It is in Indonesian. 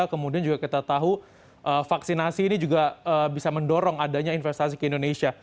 kemudian juga kita tahu vaksinasi ini juga bisa mendorong adanya investasi ke indonesia